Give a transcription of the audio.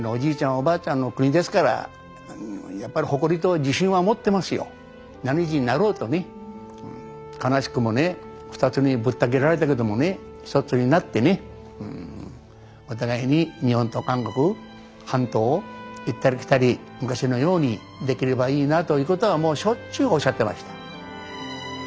おばあちゃんのお国ですから悲しくもね２つにぶった切られたけどもね一つになってねお互いに日本と韓国半島を行ったり来たり昔のようにできればいいなということはもうしょっちゅうおっしゃってました。